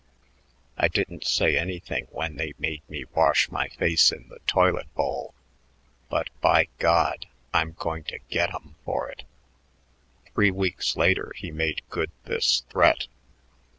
I didn't say anything when they made me wash my face in the toilet bowl, but, by God! I'm going to get 'em for it." Three weeks later he made good this threat.